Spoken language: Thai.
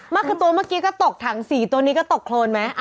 ไม่คือตัวเมื่อกี้ก็ตกถัง๔ตัวนี้ก็ตกโครนไหม